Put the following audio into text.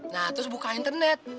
nah terus buka internet